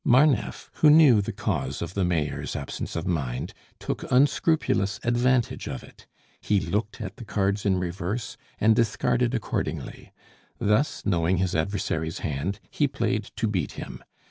Marneffe, who knew the cause of the Mayor's absence of mind, took unscrupulous advantage of it; he looked at the cards in reverse, and discarded accordingly; thus, knowing his adversary's hand, he played to beat him.